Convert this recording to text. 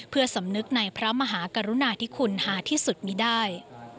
เพื่อสำนึกในพระมหากรุณาที่คุณหาที่สุดมีได้